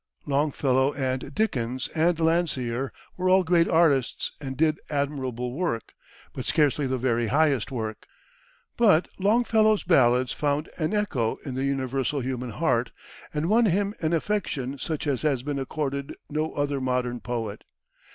Longfellow and Dickens and Landseer were all great artists and did admirable work, but scarcely the very highest work. But Longfellow's ballads "found an echo in the universal human heart," and won him an affection such as has been accorded no other modern poet.